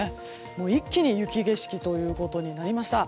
一気に雪景色ということになりました。